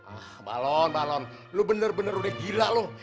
ah balon balon lo bener bener udah gila loh